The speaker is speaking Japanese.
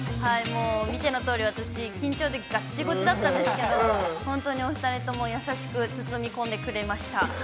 もう、見てのとおり、私、緊張でがっちごちだったんですけれども、本当にお２人とも優しく、包み込んでくれました。